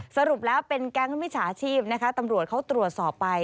สรุปแล้วเป็นแก๊งมิจฉาชีพนะคะตำรวจเขาตรวจสอบไป